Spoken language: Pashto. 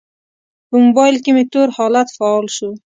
په موبایل کې مې تور حالت فعال شو.